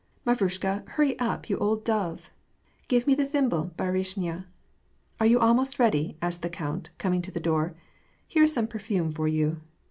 Mavrushka, hurry up, you old dove." * Give me the thimble, baruishnya." " Are you almost ready ?" asked the count, coming to the door. " Here is some perfume for you.